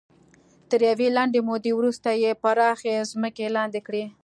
تر یوې لنډې مودې وروسته یې پراخې ځمکې لاندې کړې.